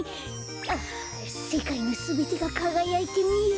ああせかいのすべてがかがやいてみえる。